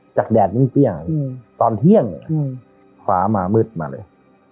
จากแดดสิ้นเปรี้ยงอืมตอนเที่ยงอืมฝามามืดมาเลย